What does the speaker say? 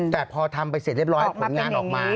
แต่พอทำไปเสร็จเรียบร้อยผลงานออกมา